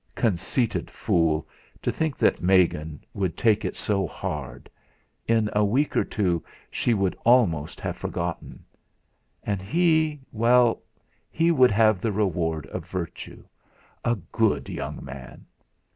Conceited fool to think that Megan would take it so hard! In a week or two she would almost have forgotten! And he well, he would have the reward of virtue! A good young man!